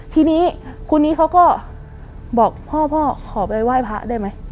ทีนี้คุณนี้เขาก็บอกพ่อพ่อขอไปไหว้พระได้ไหม